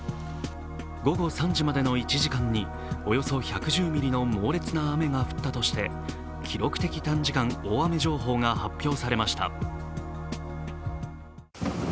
午後３時までの１時間に、およそ１１０ミリの猛烈な雨が降ったとして記録的短時間大雨情報が発表されました。